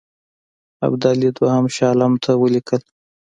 ابدالي دوهم شاه عالم ته ولیکل.